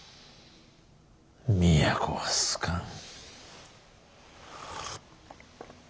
都は好かん。